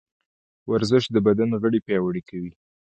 ورزش د بدن غړي پیاوړي کوي.